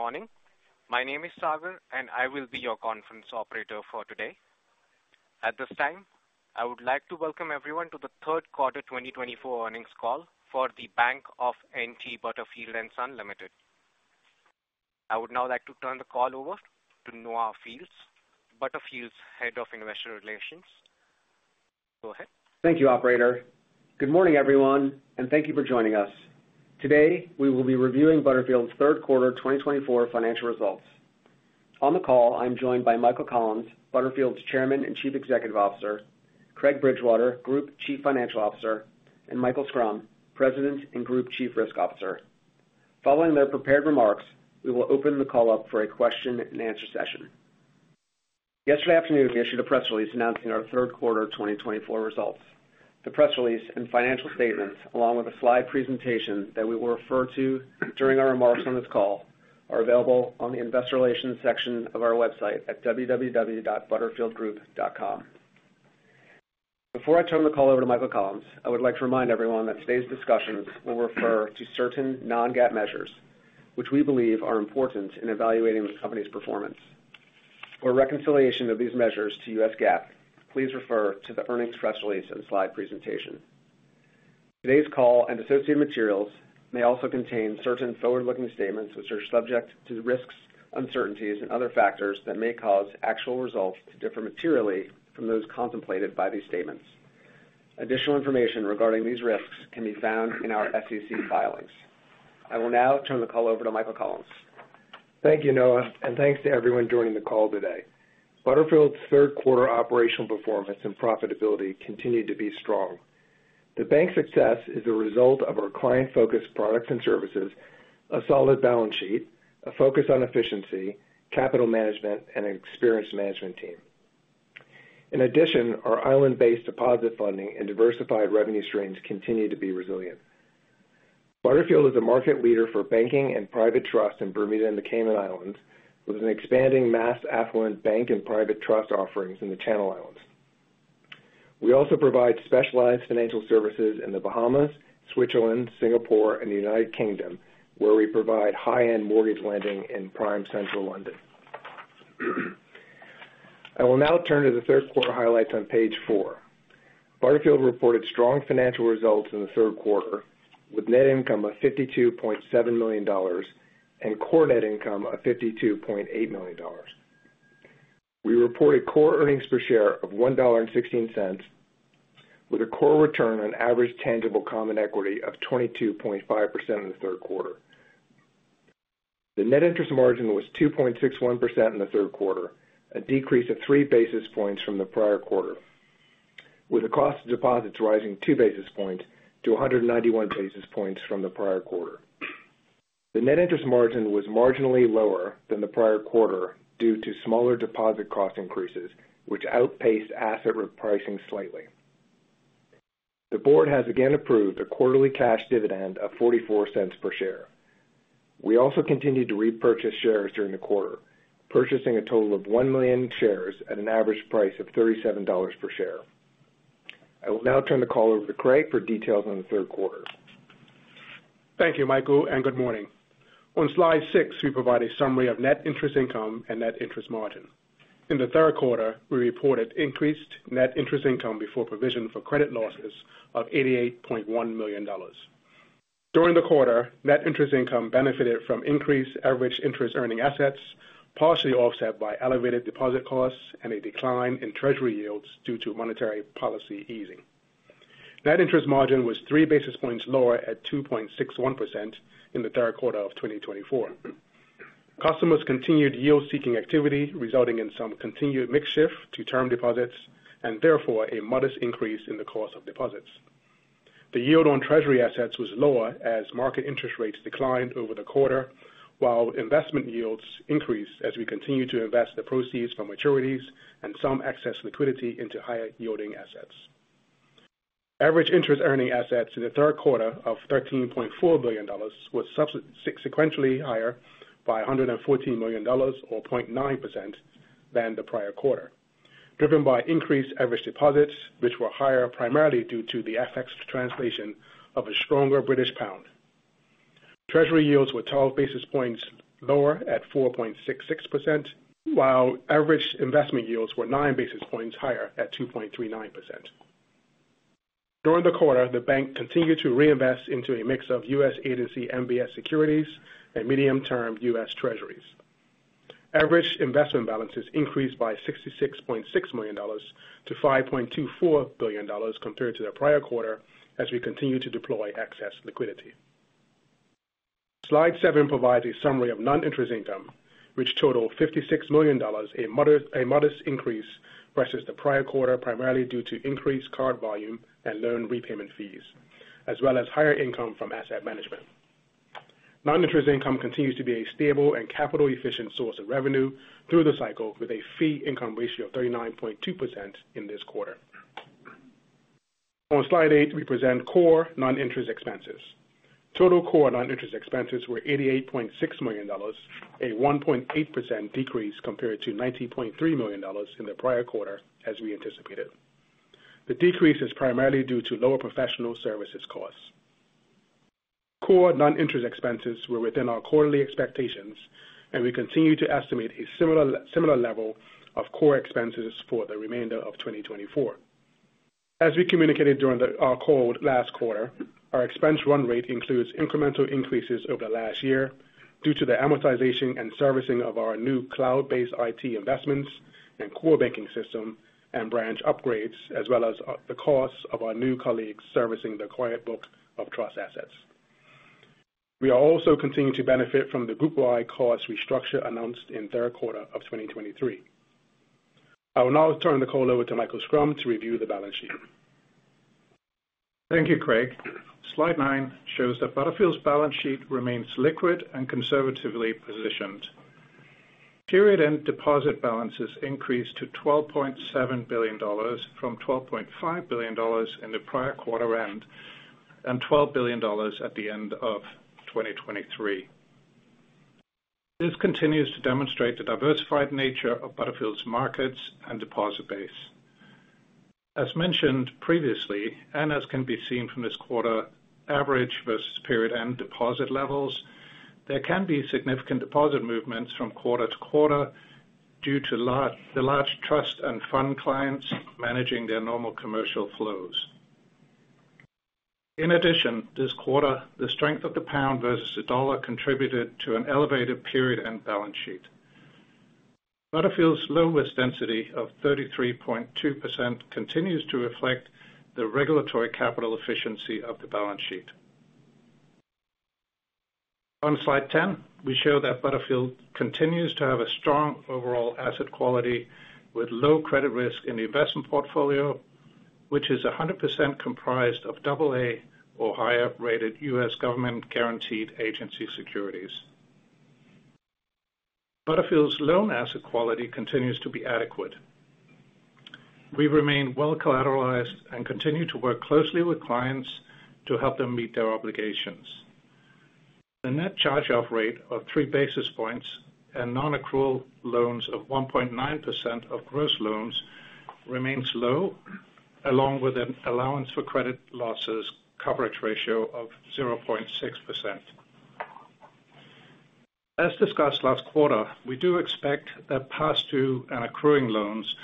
Good morning. My name is Sagar, and I will be your conference operator for today. At this time, I would like to welcome everyone to the Q3 2024 earnings call for The Bank of N.T. Butterfield & Son Limited. I would now like to turn the call over to Noah Fields, Butterfield's Head of Investor Relations. Go ahead. Thank you, operator. Good morning, everyone, and thank you for joining us. Today, we will be reviewing Butterfield's Q3 2024 financial results. On the call, I'm joined by Michael Collins, Butterfield's Chairman and Chief Executive Officer, Craig Bridgewater, Group Chief Financial Officer, and Michael Schrum, President and Group Chief Risk Officer. Following their prepared remarks, we will open the call up for a question-and-answer session. Yesterday afternoon, we issued a press release announcing our Q3 2024 results. The press release and financial statements, along with a slide presentation that we will refer to during our remarks on this call, are available on the investor relations section of our website at www.butterfieldgroup.com. Before I turn the call over to Michael Collins, I would like to remind everyone that today's discussions will refer to certain non-GAAP measures, which we believe are important in evaluating the company's performance. For reconciliation of these measures to US GAAP, please refer to the earnings press release and slide presentation. Today's call and associated materials may also contain certain forward-looking statements which are subject to the risks, uncertainties, and other factors that may cause actual results to differ materially from those contemplated by these statements. Additional information regarding these risks can be found in our SEC filings. I will now turn the call over to Michael Collins. Thank you, Noah, and thanks to everyone joining the call today. Butterfield's Q3 operational performance and profitability continued to be strong. The bank's success is a result of our client-focused products and services, a solid balance sheet, a focus on efficiency, capital management, and an experienced management team. In addition, our island-based deposit funding and diversified revenue streams continue to be resilient. Butterfield is a market leader for banking and private trust in Bermuda and the Cayman Islands, with an expanding mass affluent bank and private trust offerings in the Channel Islands. We also provide specialized financial services in the Bahamas, Switzerland, Singapore, and the United Kingdom, where we provide high-end mortgage lending in prime central London. I will now turn to the Q3 highlights on page four. Butterfield reported strong financial results in the Q3, with net income of $52.7 million and core net income of $52.8 million. We reported core earnings per share of $1.16, with a core return on average tangible common equity of 22.5% in the Q3. The net interest margin was 2.61% in the Q3, a decrease of 3 basis points from the prior quarter, with the cost of deposits rising 2 basis points to 191 basis points from the prior quarter. The net interest margin was marginally lower than the prior quarter due to smaller deposit cost increases, which outpaced asset repricing slightly. The board has again approved a quarterly cash dividend of $0.44 per share. We also continued to repurchase shares during the quarter, purchasing a total of 1 million shares at an average price of $37 per share. I will now turn the call over to Craig for details on the Q3. Thank you, Michael, and good morning. On slide six, we provide a summary of net interest income and net interest margin. In the Q3, we reported increased net interest income before provision for credit losses of $88.1 million. During the quarter, net interest income benefited from increased average interest earning assets, partially offset by elevated deposit costs and a decline in treasury yields due to monetary policy easing. Net interest margin was three basis points lower at 2.61% in the Q3 of 2024. Customers continued yield-seeking activity, resulting in some continued mix shift to term deposits and therefore a modest increase in the cost of deposits. The yield on treasury assets was lower as market interest rates declined over the quarter, while investment yields increased as we continued to invest the proceeds from maturities and some excess liquidity into higher-yielding assets. Average interest earning assets in the Q3 of $13.4 billion was subsequentially higher by $114 million or 0.9% than the prior quarter, driven by increased average deposits, which were higher primarily due to the FX translation of a stronger British pound. Treasury yields were 12 basis points lower at 4.66%, while average investment yields were 9 basis points higher at 2.39%. During the quarter, the bank continued to reinvest into a mix of U.S. Agency MBS securities and medium-term U.S. Treasuries. Average investment balances increased by $66.6 million to $5.24 billion compared to the prior quarter as we continued to deploy excess liquidity. Slide seven provides a summary of non-interest income, which totaled $56 million, a modest increase versus the prior quarter, primarily due to increased card volume and loan repayment fees, as well as higher income from asset management. Non-interest income continues to be a stable and capital-efficient source of revenue through the cycle, with a fee income ratio of 39.2% in this quarter. On slide eight, we present core non-interest expenses. Total core non-interest expenses were $88.6 million, a 1.8% decrease compared to $90.3 million in the prior quarter, as we anticipated. The decrease is primarily due to lower professional services costs. Core non-interest expenses were within our quarterly expectations, and we continue to estimate a similar level of core expenses for the remainder of 2024. As we communicated during our call last quarter, our expense run rate includes incremental increases over the last year due to the amortization and servicing of our new cloud-based IT investments and core banking system and branch upgrades, as well as the costs of our new colleagues servicing the client book of trust assets. We are also continuing to benefit from the group-wide cost restructure announced in Q3 of 2023. I will now turn the call over to Michael Schrum to review the balance sheet. Thank you, Craig. Slide nine shows that Butterfield's balance sheet remains liquid and conservatively positioned. Period-end deposit balances increased to $12.7 billion from $12.5 billion in the prior quarter end and $12 billion at the end of 2023. This continues to demonstrate the diversified nature of Butterfield's markets and deposit base. As mentioned previously, and as can be seen from this quarter, average versus period end deposit levels, there can be significant deposit movements from quarter to quarter due to the large trust and fund clients managing their normal commercial flows. In addition, this quarter, the strength of the pound versus the dollar contributed to an elevated period-end balance sheet. Butterfield's low risk density of 33.2% continues to reflect the regulatory capital efficiency of the balance sheet. On Slide 10, we show that Butterfield continues to have a strong overall asset quality with low credit risk in the investment portfolio, which is 100% comprised of double A or higher-rated U.S. government-guaranteed agency securities. Butterfield's loan asset quality continues to be adequate. We remain well collateralized and continue to work closely with clients to help them meet their obligations. The net charge-off rate of three basis points and nonaccrual loans of 1.9% of gross loans remains low, along with an allowance for credit losses coverage ratio of 0.6%. As discussed last quarter, we do expect that past due and accruing loans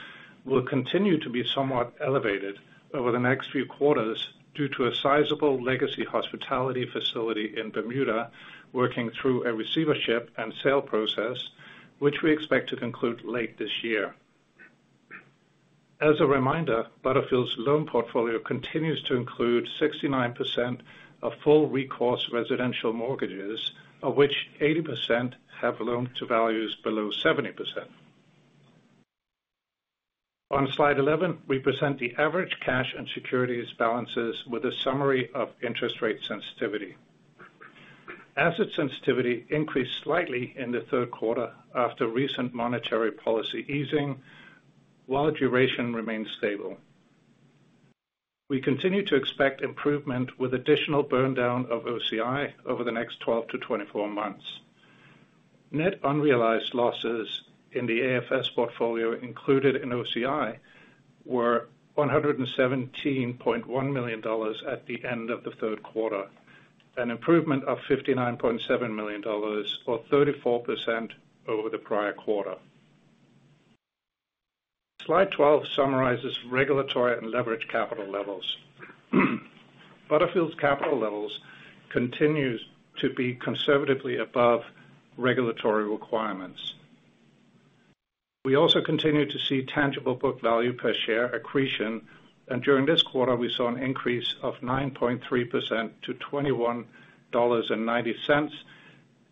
will continue to be somewhat elevated over the next few quarters due to a sizable legacy hospitality facility in Bermuda, working through a receivership and sale process, which we expect to conclude late this year. As a reminder, Butterfield's loan portfolio continues to include 69% of full recourse residential mortgages, of which 80% have loan to values below 70%. On Slide 11, we present the average cash and securities balances with a summary of interest rate sensitivity. Asset sensitivity increased slightly in the Q3 after recent monetary policy easing, while duration remained stable. We continue to expect improvement with additional burn down of OCI over the next 12-24 months. Net unrealized losses in the AFS portfolio included in OCI were $117.1 million at the end of the Q3, an improvement of $59.7 million or 34% over the prior quarter. Slide 12 summarizes regulatory and leverage capital levels. Butterfield's capital levels continues to be conservatively above regulatory requirements. We also continue to see tangible book value per share accretion, and during this quarter, we saw an increase of 9.3% to $21.90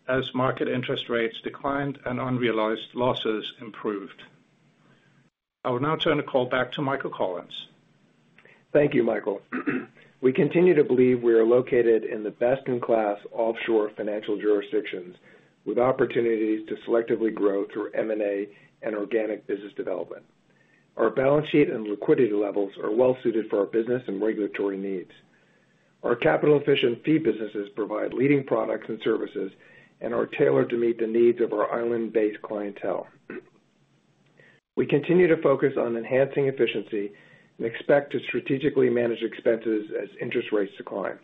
as market interest rates declined and unrealized losses improved. I will now turn the call back to Michael Collins. Thank you, Michael. We continue to believe we are located in the best-in-class offshore financial jurisdictions, with opportunities to selectively grow through M&A and organic business development. Our balance sheet and liquidity levels are well suited for our business and regulatory needs. Our capital-efficient fee businesses provide leading products and services and are tailored to meet the needs of our island-based clientele. We continue to focus on enhancing efficiency and expect to strategically manage expenses as interest rates decline.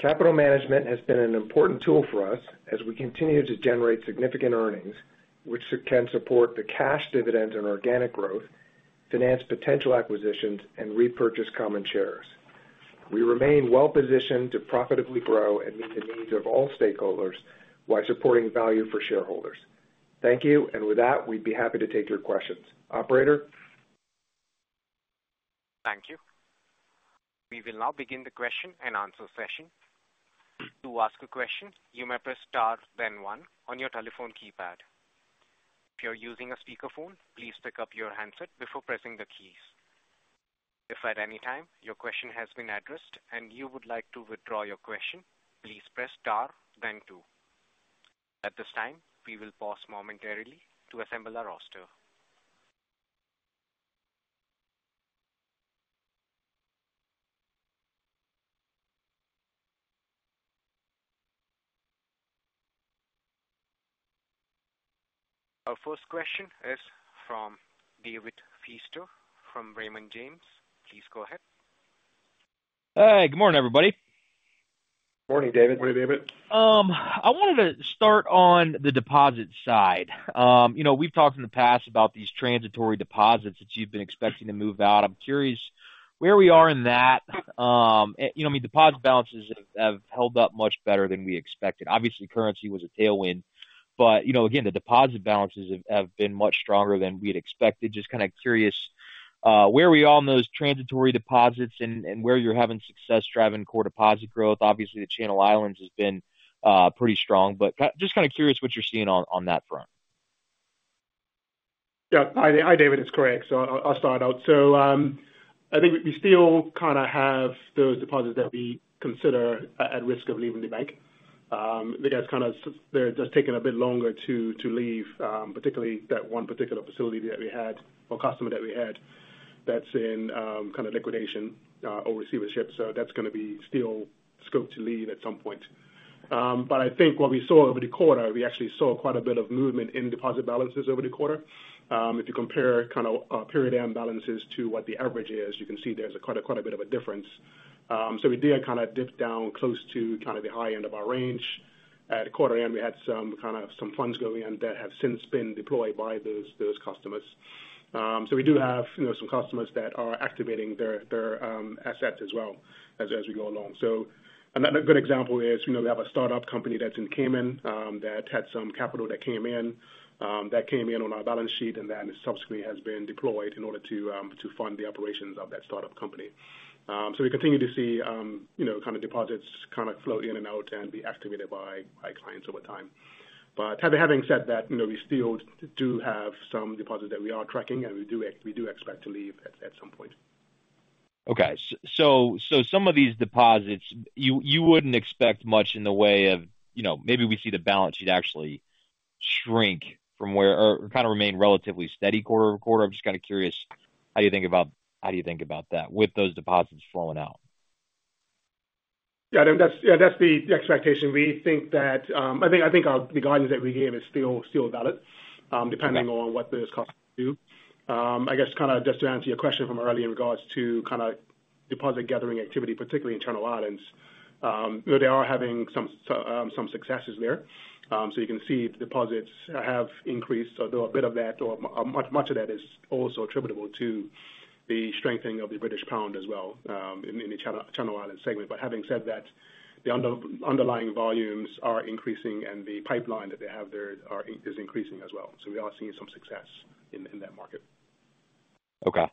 Capital management has been an important tool for us as we continue to generate significant earnings, which can support the cash dividend and organic growth, finance potential acquisitions, and repurchase common shares. We remain well positioned to profitably grow and meet the needs of all stakeholders while supporting value for shareholders. Thank you, and with that, we'd be happy to take your questions. Operator? Thank you. We will now begin the question and answer session. To ask a question, you may press star, then one on your telephone keypad. If you're using a speakerphone, please pick up your handset before pressing the keys. If at any time your question has been addressed and you would like to withdraw your question, please press star, then two. At this time, we will pause momentarily to assemble our roster.... Our first question is from David Feaster from Raymond James. Please go ahead. Hey, good morning, everybody. Morning, David. Morning, David. I wanted to start on the deposit side. You know, we've talked in the past about these transitory deposits that you've been expecting to move out. I'm curious where we are in that. You know, I mean, deposit balances have held up much better than we expected. Obviously, currency was a tailwind, but you know, again, the deposit balances have been much stronger than we had expected. Just kind of curious, where are we on those transitory deposits and where you're having success driving core deposit growth. Obviously, the Channel Islands has been pretty strong, but just kind of curious what you're seeing on that front. Yeah. Hi, David, it's Craig. So I'll start out. So, I think we still kind of have those deposits that we consider at risk of leaving the bank. I think that's kind of they're just taking a bit longer to leave, particularly that one particular facility that we had, or customer that we had, that's in kind of liquidation or receivership. So that's gonna be still scoped to leave at some point. But I think what we saw over the quarter, we actually saw quite a bit of movement in deposit balances over the quarter. If you compare kind of period end balances to what the average is, you can see there's quite, quite a bit of a difference. So we did kind of dip down close to kind of the high end of our range. At quarter end, we had some kind of some funds go in that have since been deployed by those customers. So we do have, you know, some customers that are activating their assets as well as we go along. So another good example is, you know, we have a startup company that's in Cayman that had some capital that came in that came in on our balance sheet and then subsequently has been deployed in order to fund the operations of that startup company. So we continue to see, you know, kind of deposits kind of flow in and out and be activated by clients over time. But having said that, you know, we still do have some deposits that we are tracking, and we do expect to leave at some point. Okay. So some of these deposits, you wouldn't expect much in the way of, you know, maybe we see the balance sheet actually shrink from where or kind of remain relatively steady quarter-over-quarter. I'm just kind of curious, how do you think about that with those deposits flowing out? Yeah, that's, yeah, that's the expectation. We think that, I think, I think our the guidance that we gave is still, still valid, depending on what those costs do. I guess kind of just to answer your question from earlier in regards to kind of deposit gathering activity, particularly in Channel Islands, they are having some successes there. So you can see deposits have increased. Although a bit of that or much, much of that is also attributable to the strengthening of the British pound as well, in the Channel Island segment. But having said that, the underlying volumes are increasing and the pipeline that they have there is increasing as well. So we are seeing some success in that market. Okay.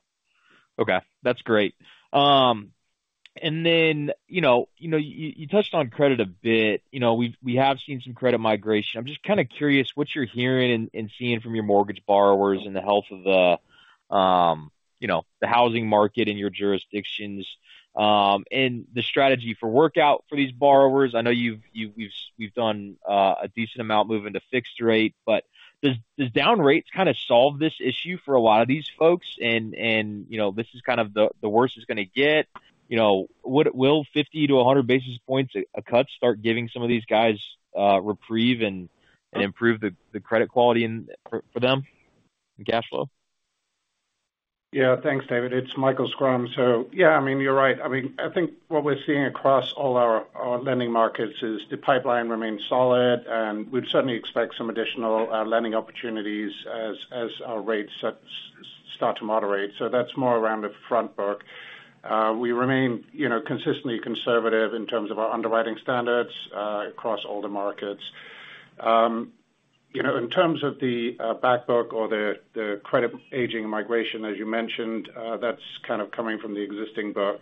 Okay, that's great. And then, you know, you touched on credit a bit. You know, we have seen some credit migration. I'm just kind of curious what you're hearing and seeing from your mortgage borrowers and the health of the, you know, the housing market in your jurisdictions, and the strategy for workout for these borrowers. I know you've done a decent amount moving to fixed rate, but does down rates kind of solve this issue for a lot of these folks? And, you know, this is kind of the worst it's gonna get. You know, will 50 to 100 basis points a cut start giving some of these guys reprieve and improve the credit quality for them and cash flow? Yeah. Thanks, David. It's Michael Schrum. So yeah, I mean, you're right. I mean, I think what we're seeing across all our lending markets is the pipeline remains solid, and we'd certainly expect some additional lending opportunities as our rates start to moderate. So that's more around the front book. We remain, you know, consistently conservative in terms of our underwriting standards across all the markets. You know, in terms of the back book or the credit aging migration, as you mentioned, that's kind of coming from the existing book.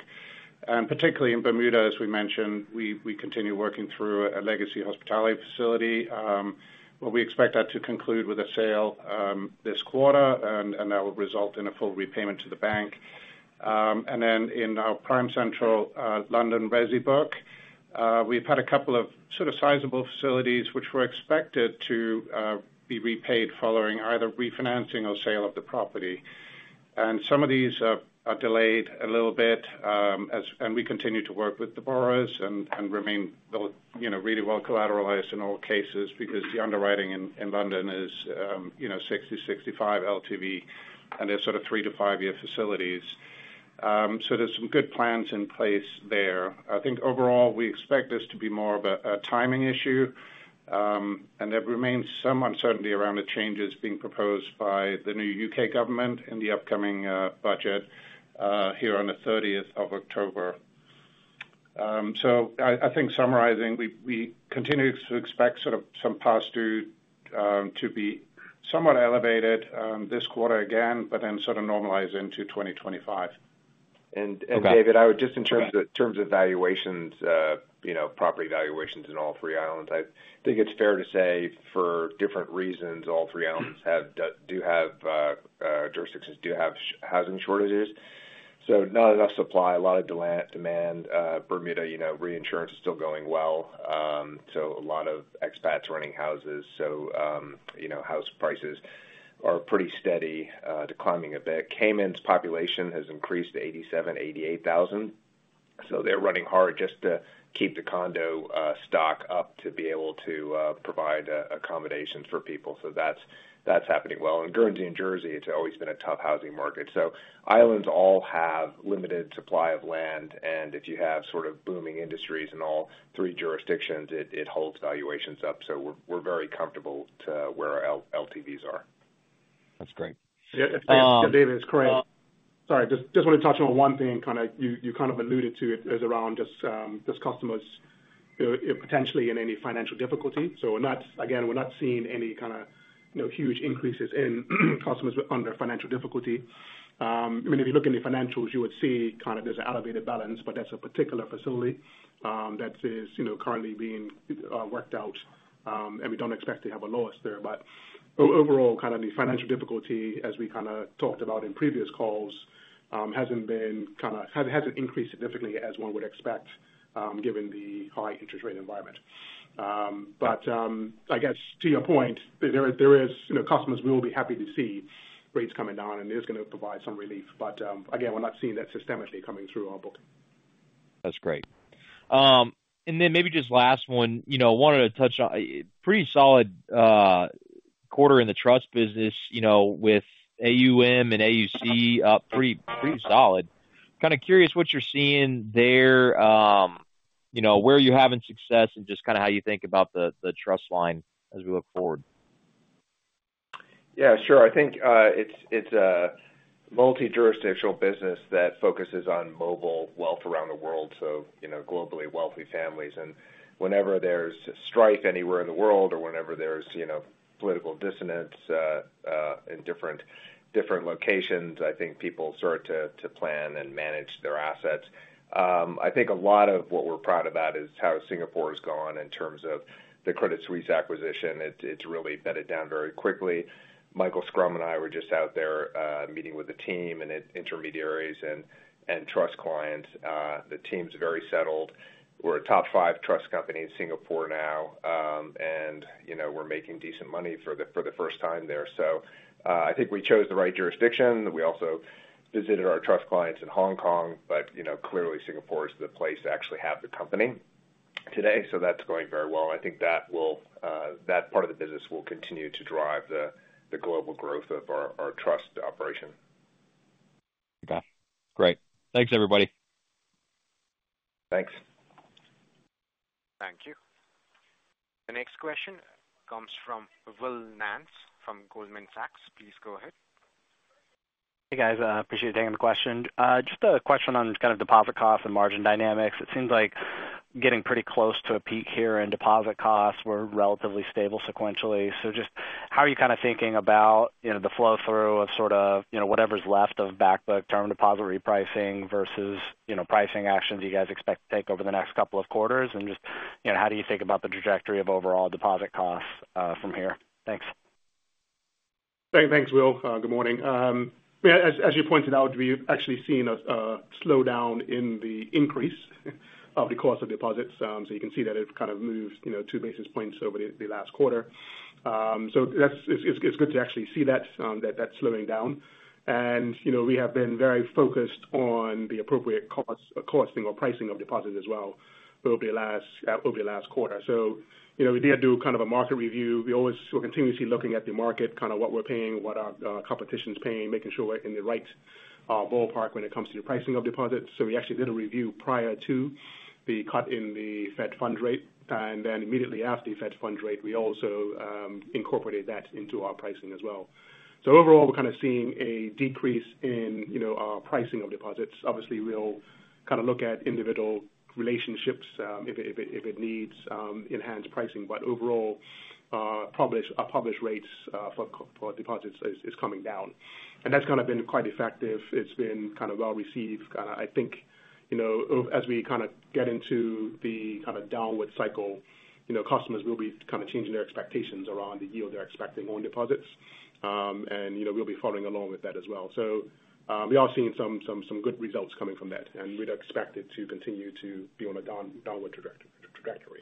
And particularly in Bermuda, as we mentioned, we continue working through a legacy hospitality facility, but we expect that to conclude with a sale this quarter, and that will result in a full repayment to the bank. And then in our prime central London resi book, we've had a couple of sort of sizable facilities which were expected to be repaid following either refinancing or sale of the property. And some of these are delayed a little bit, and we continue to work with the borrowers and remain, you know, really well collateralized in all cases, because the underwriting in London is, you know, sixty, sixty-five LTV, and they're sort of three to five year facilities. So there's some good plans in place there. I think overall, we expect this to be more of a timing issue, and there remains some uncertainty around the changes being proposed by the new UK government in the upcoming budget here on the thirtieth of October. So I think summarizing, we continue to expect sort of some past due to be somewhat elevated this quarter again, but then sort of normalize into 2025. David, I would just in terms of valuations, you know, property valuations in all three islands. I think it's fair to say for different reasons, all three islands do have housing shortages: not enough supply, a lot of demand. Bermuda, you know, reinsurance is still going well, so a lot of expats running houses, you know, house prices are pretty steady, declining a bit. Cayman’s population has increased to 87-88 thousand.... So they're running hard just to keep the condo stock up to be able to provide accommodations for people. So that's happening well. In Guernsey and Jersey, it's always been a tough housing market. So islands all have limited supply of land, and if you have sort of booming industries in all three jurisdictions, it holds valuations up. So we're very comfortable to where our LTVs are. That's great. Yeah, David, it's Craig. Sorry, just wanted to touch on one thing, kind of, you kind of alluded to it, is around just customers potentially in any financial difficulty. So we're not, again, we're not seeing any kind of, you know, huge increases in customers under financial difficulty. I mean, if you look in the financials, you would see kind of there's an elevated balance, but that's a particular facility that is, you know, currently being worked out. And we don't expect to have a loss there. But overall, kind of the financial difficulty, as we kinda talked about in previous calls, hasn't increased significantly as one would expect, given the high interest rate environment. I guess to your point, there is, you know, customers will be happy to see rates coming down, and it is gonna provide some relief. But again, we're not seeing that systemically coming through our booking. That's great. And then maybe just last one, you know, wanted to touch on pretty solid quarter in the trust business, you know, with AUM and AUC up pretty, pretty solid. Kind of curious what you're seeing there, you know, where are you having success, and just kind of how you think about the trust line as we look forward. Yeah, sure. I think it's a multi-jurisdictional business that focuses on mobile wealth around the world, so, you know, globally wealthy families. Whenever there's strife anywhere in the world or whenever there's, you know, political dissonance in different locations, I think people start to plan and manage their assets. I think a lot of what we're proud about is how Singapore has gone in terms of the Credit Suisse acquisition. It's really bedded down very quickly. Michael Schrum and I were just out there meeting with the team and intermediaries and trust clients. The team's very settled. We're a top five trust company in Singapore now, and, you know, we're making decent money for the first time there, so I think we chose the right jurisdiction. We also visited our trust clients in Hong Kong, but, you know, clearly Singapore is the place to actually have the company today. So that's going very well. I think that will, that part of the business will continue to drive the global growth of our trust operation. Okay, great. Thanks, everybody. Thanks. Thank you. The next question comes from Will Nance from Goldman Sachs. Please go ahead. Hey, guys, appreciate you taking the question. Just a question on kind of deposit costs and margin dynamics. It seems like getting pretty close to a peak here in deposit costs were relatively stable sequentially. So just how are you kind of thinking about, you know, the flow through of sort of, you know, whatever's left of back book term deposit repricing versus, you know, pricing actions you guys expect to take over the next couple of quarters? And just, you know, how do you think about the trajectory of overall deposit costs, from here? Thanks. Thanks, Will. Good morning. Yeah, as you pointed out, we've actually seen a slowdown in the increase of the cost of deposits. So you can see that it kind of moved, you know, two basis points over the last quarter. So that's. It's good to actually see that that's slowing down, and you know, we have been very focused on the appropriate cost, costing or pricing of deposits as well over the last quarter. So, you know, we did do kind of a market review. We're continuously looking at the market, kind of what we're paying, what our competition's paying, making sure we're in the right ballpark when it comes to the pricing of deposits. So we actually did a review prior to the cut in the Fed funds rate, and then immediately after the Fed funds rate, we also incorporated that into our pricing as well. So overall, we're kind of seeing a decrease in, you know, our pricing of deposits. Obviously, we'll kind of look at individual relationships if it needs enhanced pricing. But overall, our published rates for deposits is coming down, and that's kind of been quite effective. It's been kind of well received. I think, you know, as we kind of get into the kind of downward cycle, you know, customers will be kind of changing their expectations around the yield they're expecting on deposits, and, you know, we'll be following along with that as well. So, we are seeing some good results coming from that, and we'd expect it to continue to be on a downward trajectory.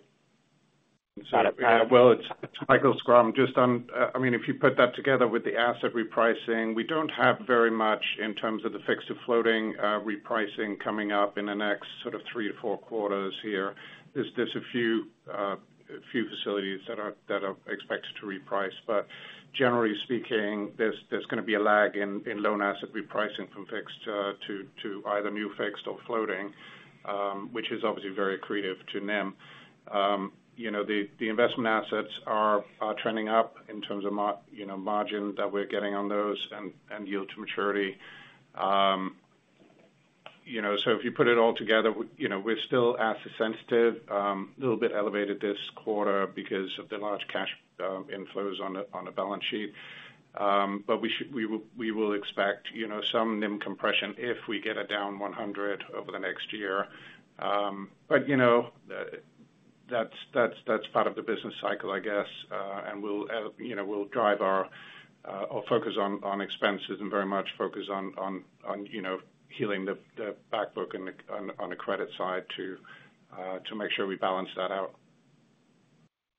Will, it's Michael Schrum. Just on, I mean, if you put that together with the asset repricing, we don't have very much in terms of the fixed to floating repricing coming up in the next sort of three-to-four quarters here. There's a few facilities that are expected to reprice, but generally speaking, there's gonna be a lag in loan asset repricing from fixed to either new fixed or floating, which is obviously very accretive to NIM. You know, the investment assets are trending up in terms of margin that we're getting on those and yield to maturity. You know, so if you put it all together, you know, we're still asset sensitive, a little bit elevated this quarter because of the large cash inflows on the balance sheet. But we will expect, you know, some NIM compression if we get it down one hundred over the next year. But, you know, that's part of the business cycle, I guess. And we'll, you know, drive our focus on expenses and very much focus on healing the back book on the credit side to make sure we balance that out.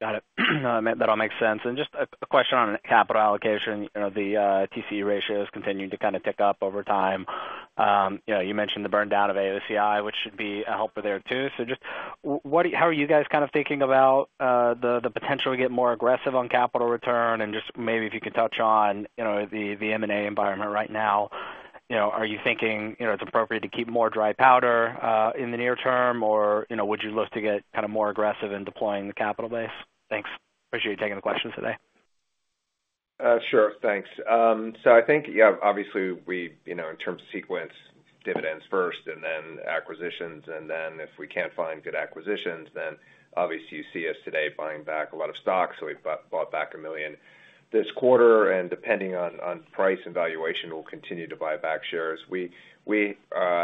Got it. That all makes sense. And just a question on capital allocation. You know, the TCE ratio is continuing to kind of tick up over time. You know, you mentioned the burn down of AOCI, which should be a helper there, too. So just what do--how are you guys kind of thinking about the potential to get more aggressive on capital return? And just maybe if you could touch on, you know, the M&A environment right now. You know, are you thinking, you know, it's appropriate to keep more dry powder in the near term, or, you know, would you look to get kind of more aggressive in deploying the capital base? Thanks. Appreciate you taking the question today. Sure. Thanks, so I think, yeah, obviously, we you know, in terms of sequence, dividends first and then acquisitions, and then if we can't find good acquisitions, then obviously, you see us today buying back a lot of stock, so we've bought back a million this quarter, and depending on price and valuation, we'll continue to buy back shares. We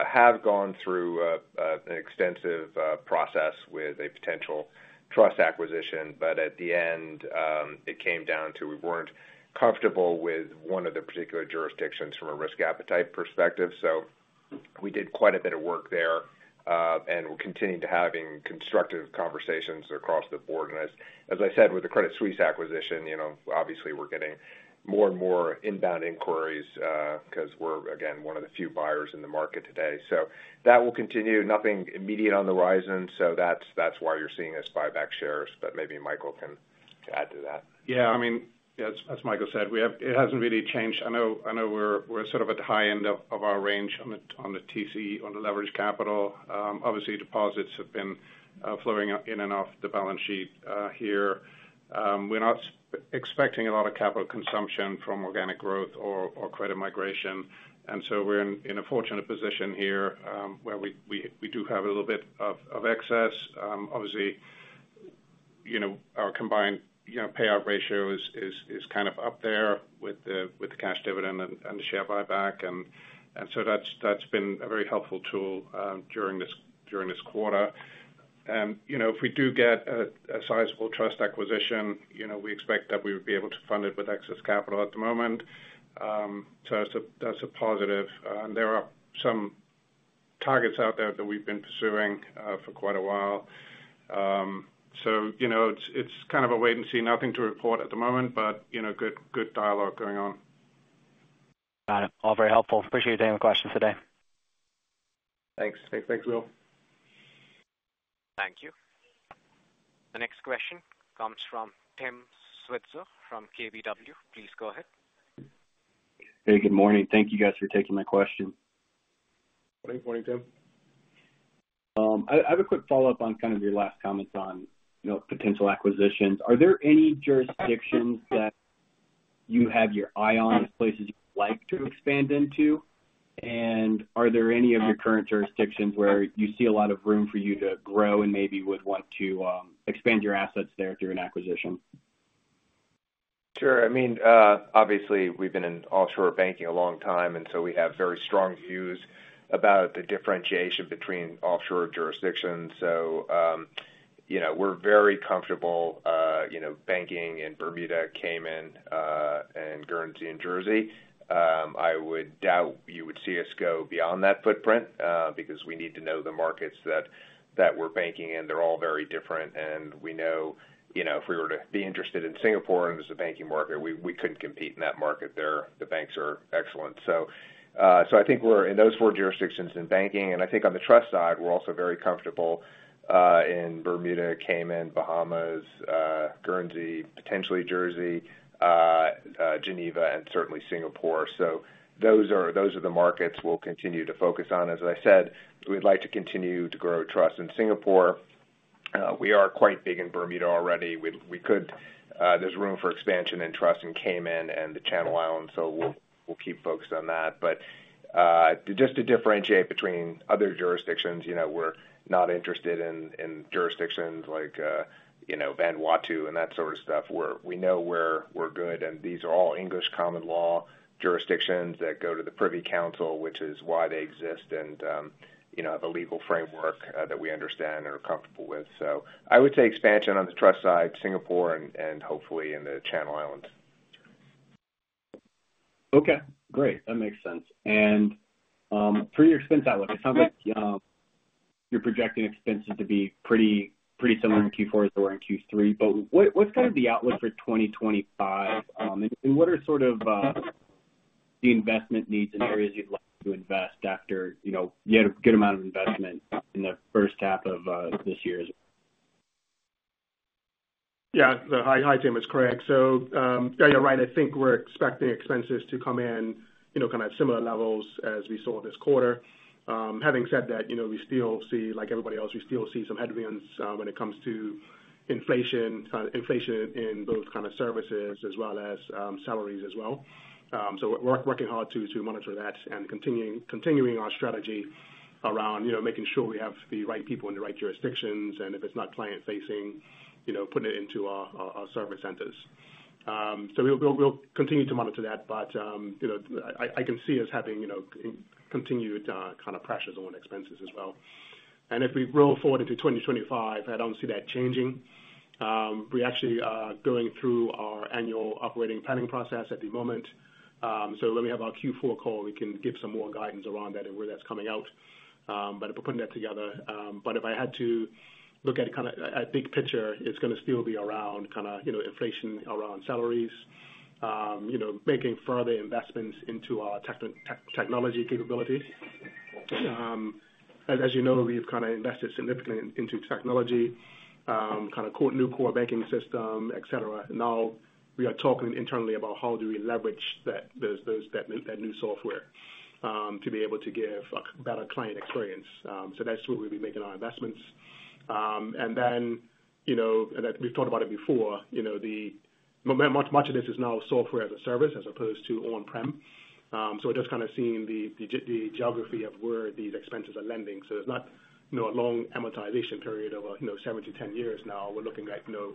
have gone through an extensive process with a potential trust acquisition, but at the end, it came down to we weren't comfortable with one of the particular jurisdictions from a risk appetite perspective, so we did quite a bit of work there, and we're continuing to having constructive conversations across the board. And as I said, with the Credit Suisse acquisition, you know, obviously, we're getting more and more inbound inquiries because we're, again, one of the few buyers in the market today. So that will continue. Nothing immediate on the horizon, so that's why you're seeing us buy back shares, but maybe Michael can add to that. Yeah, I mean, as Michael said, we have, it hasn't really changed. I know we're sort of at the high end of our range on the TCE, on the leverage capital. Obviously, deposits have been flowing in and off the balance sheet here. We're not expecting a lot of capital consumption from organic growth or credit migration, and so we're in a fortunate position here, where we do have a little bit of excess. Obviously, you know, our combined, you know, payout ratio is kind of up there with the cash dividend and the share buyback. And so that's been a very helpful tool during this quarter. And, you know, if we do get a sizable trust acquisition, you know, we expect that we would be able to fund it with excess capital at the moment. So that's a positive. And there are some targets out there that we've been pursuing for quite a while. So, you know, it's kind of a wait and see. Nothing to report at the moment, but, you know, good dialogue going on. Got it. All very helpful. Appreciate you taking the questions today. Thanks. Hey, thanks, Will. Thank you. The next question comes from Tim Switzer from KBW. Please go ahead. Hey, good morning. Thank you guys for taking my question. Good morning, Tim. I have a quick follow-up on kind of your last comments on, you know, potential acquisitions. Are there any jurisdictions that you have your eye on, places you'd like to expand into? And are there any of your current jurisdictions where you see a lot of room for you to grow and maybe would want to expand your assets there through an acquisition? Sure. I mean, obviously, we've been in offshore banking a long time, and so we have very strong views about the differentiation between offshore jurisdictions, so you know, we're very comfortable, you know, banking in Bermuda, Cayman, and Guernsey and Jersey. I would doubt you would see us go beyond that footprint, because we need to know the markets that we're banking in. They're all very different, and we know, you know, if we were to be interested in Singapore as a banking market, we couldn't compete in that market there. The banks are excellent, so I think we're in those four jurisdictions in banking, and I think on the trust side, we're also very comfortable in Bermuda, Cayman, Bahamas, Guernsey, potentially Jersey, Geneva, and certainly Singapore. Those are the markets we'll continue to focus on. As I said, we'd like to continue to grow trust in Singapore. We are quite big in Bermuda already. We could. There's room for expansion and trust in Cayman and the Channel Islands, so we'll keep focused on that. Just to differentiate between other jurisdictions, you know, we're not interested in jurisdictions like, you know, Vanuatu and that sort of stuff, where we know we're good. These are all English common law jurisdictions that go to the Privy Council, which is why they exist, and you know, have a legal framework that we understand and are comfortable with. I would say expansion on the trust side, Singapore and hopefully in the Channel Islands. Okay, great. That makes sense. And for your expense outlook, it sounds like you're projecting expenses to be pretty, pretty similar in Q4 as they were in Q3, but what's kind of the outlook for 2025? And what are sort of the investment needs and areas you'd like to invest after, you know, you had a good amount of investment in the H1 of this year? Yeah. Hi, hi, Tim, it's Craig. So, yeah, you're right. I think we're expecting expenses to come in, you know, kind of similar levels as we saw this quarter. Having said that, you know, we still see like everybody else, we still see some headwinds, when it comes to inflation, inflation in both kind of services as well as, salaries as well. So we're working hard to monitor that and continuing our strategy around, you know, making sure we have the right people in the right jurisdictions, and if it's not client-facing, you know, putting it into our service centers. So we'll continue to monitor that, but, you know, I can see us having, you know, continued kind of pressures on expenses as well. And if we roll forward into 2025, I don't see that changing. We actually are going through our annual operating planning process at the moment. So when we have our Q4 call, we can give some more guidance around that and where that's coming out. But we're putting that together. But if I had to look at kind of a big picture, it's gonna still be around kind of, you know, inflation, around salaries, you know, making further investments into our technology capabilities. And as you know, we've kind of invested significantly into technology, kind of core, new core banking system, et cetera. Now, we are talking internally about how do we leverage that new software to be able to give a better client experience. So that's where we'll be making our investments. Then, you know, and we've talked about it before, you know, much of this is now software as a service as opposed to on-prem. So just kind of seeing the geography of where these expenses are landing. So it's not, you know, a long amortization period of, you know, seven to 10 years now. We're looking at, you know,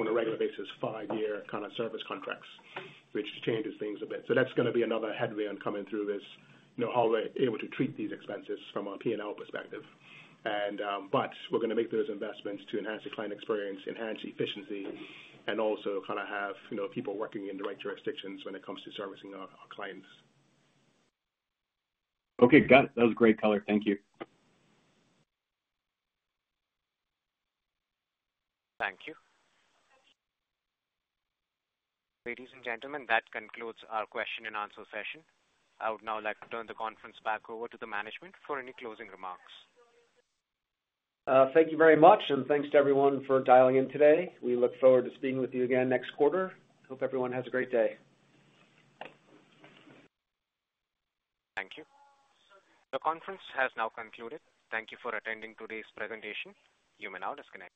on a regular basis, five-year kind of service contracts, which changes things a bit. So that's gonna be another headwind coming through this, you know, how we're able to treat these expenses from a P&L perspective. And but we're gonna make those investments to enhance the client experience, enhance efficiency, and also kind of have, you know, people working in the right jurisdictions when it comes to servicing our clients. Okay, got it. That was great color. Thank you. Thank you. Ladies and gentlemen, that concludes our question and answer session. I would now like to turn the conference back over to the management for any closing remarks. Thank you very much, and thanks to everyone for dialing in today. We look forward to speaking with you again next quarter. Hope everyone has a great day. Thank you. The conference has now concluded. Thank you for attending today's presentation. You may now disconnect.